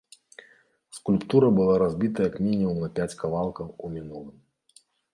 Скульптура была разбіта як мінімум на пяць кавалкаў у мінулым.